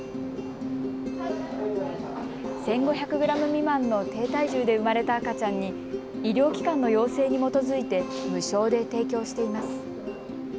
１５００グラム未満の低体重で生まれた赤ちゃんに医療機関の要請に基づいて無償で提供しています。